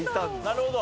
なるほど。